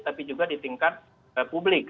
tapi juga di tingkat publik